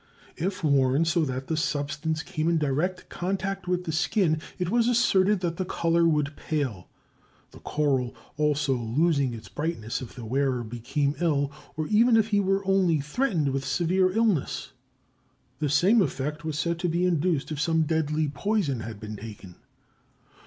If worn so that the substance came in direct contact with the skin, it was asserted that the color would pale, the coral also losing its brightness if the wearer became ill, or even if he were only threatened with severe illness. The same effect was said to be induced if some deadly poison had been taken.